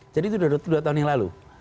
itu dua tahun yang lalu